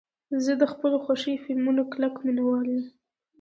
زه د خپلو خوښې فلمونو کلک مینهوال یم.